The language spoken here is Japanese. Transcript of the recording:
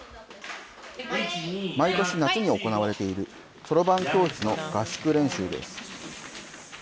毎年夏に行われているそろばん教室の合宿練習です。